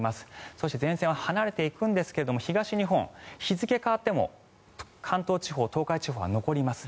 そして前線を離れていくんですが東日本日付が変わっても関東地方、東海地方は残ります。